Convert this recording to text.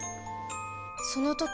その時